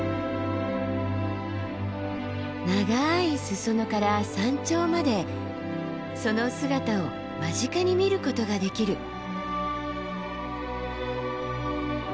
長い裾野から山頂までその姿を間近に見ることができる。